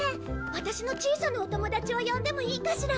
ワタシの小さなお友達を呼んでもいいかしら？